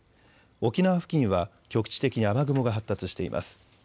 沖縄付近は局地的に雨雲が発達しています。